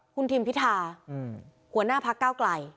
คุณทิมพิธาหัวหน้าพักเก้าไกล